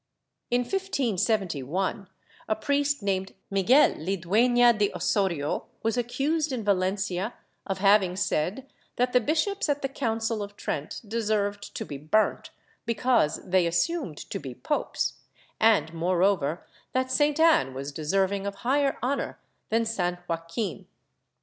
In 1571, a priest named Miguel Lidueiia de Osorio was accused in Valencia of having said that the bishops at the Council of Trent deserved to be burnt, because they assumed to be popes, and moreover that St. Anne was deserving of higher honor than St, Joaquin.